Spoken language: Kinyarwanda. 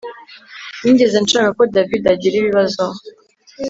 Sinigeze nshaka ko David agira ibibazo